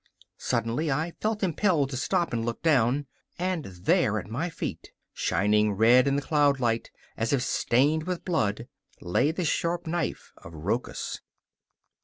Suddenly I felt impelled to stop and look down, and there at my feet, shining red in the cloudlight, as if stained with blood, lay the sharp knife of Rochus.